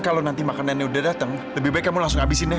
kalau nanti makanannya udah dateng lebih baik kamu langsung habisinnya